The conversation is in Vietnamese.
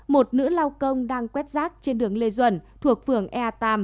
một nữ lao công đang quét rác trên đường lê duẩn thuộc phường e ba